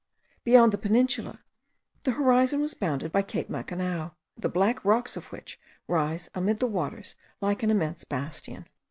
Beyond the peninsula the horizon was bounded by Cape Macanao, the black rocks of which rise amid the waters like an immense bastion.